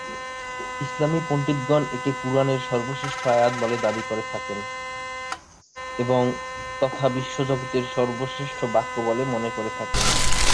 ইসলামি পণ্ডিতগণ একে কুরআনের সর্বশ্রেষ্ঠ আয়াত বলে দাবি করে থাকেন, এবং তথা বিশ্বজগতের সর্বশ্রেষ্ঠ বাক্য বলে মনে করে থাকেন।